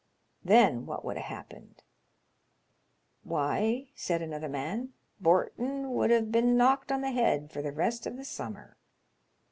Then what would ha' happened ?"" Why," said another man, " bortin' would have been knocked on the head for the rest of the summer."